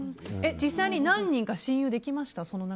実際に何人か親友できました？